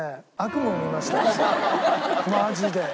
マジで。